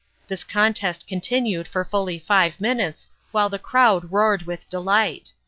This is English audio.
This contest continued for fully five minutes while the crowd roared with delight.